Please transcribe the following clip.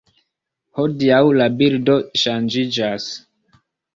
Hodiaŭ la bildo ŝanĝiĝas.